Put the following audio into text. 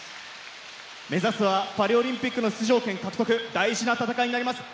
目指すはパリオリンピックの出場権獲得、大事な戦いになります。